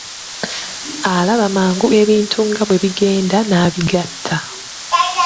Alaba mangu ebintu nga bwe bigenda, n'abigatta.